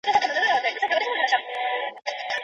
ترڅو تل شنه پاتې سي.